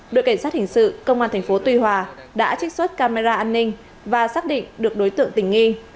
đội cảnh sát hình sự công an tp tuy hòa đã trích xuất camera an ninh và xác định được đối tượng tình nghi